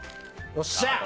よっしゃ！